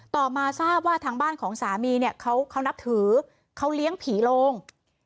ต่อมาทราบว่าทางบ้านของสามีเนี่ยเขานับถือเขาเลี้ยงผีโลง